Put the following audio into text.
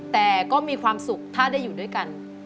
แต่ก็มีความสุขถ้าได้อยู่ด้วยกัน